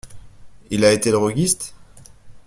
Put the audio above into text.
Il a été droguiste ?